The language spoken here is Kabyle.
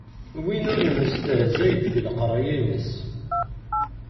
Win ur nestehzay deg leqray-ines.